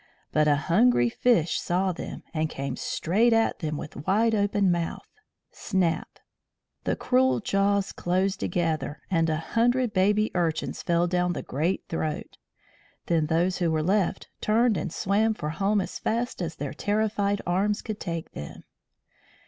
But a hungry fish saw them, and came straight at them with wide open mouth. Snap! The cruel jaws closed together, and a hundred Baby Urchins fell down the great throat. Then those who were left turned and swam for home as fast as their terrified arms could take them.